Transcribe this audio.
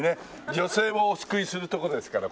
女性をお救いするとこですからここは。